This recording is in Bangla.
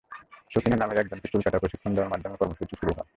সখিনা নামের একজনকে চুল কাটার প্রশিক্ষণ দেওয়ার মাধ্যমে কর্মসূচি শুরু হয়।